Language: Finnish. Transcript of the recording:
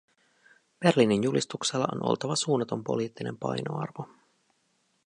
Berliinin julistuksella on oltava suunnaton poliittinen painoarvo.